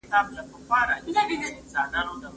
لویدیځ رسنۍ اندېښنه ښيي.